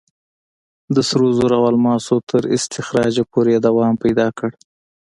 د سرو زرو او الماسو تر استخراجه پورې یې دوام پیدا کړ.